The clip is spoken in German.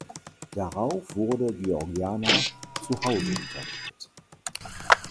Darauf wurde Georgiana zu Hause unterrichtet.